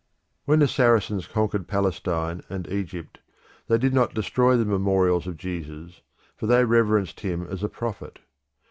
When the Saracens conquered Palestine and Egypt, they did not destroy the memorials of Jesus, for they reverenced him as a prophet.